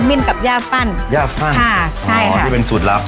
มิ้นกับย่าปั้นย่าฟั่นค่ะใช่อ๋อนี่เป็นสูตรลับ